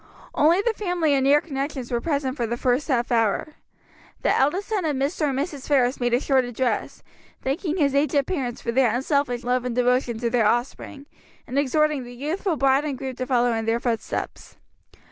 Only the family and near connections were present for the first half hour. The eldest son of Mr. and Mrs. Ferris made a short address, thanking his aged parents for their unselfish love and devotion to their offspring, and exhorting the youthful bride and groom to follow in their footsteps.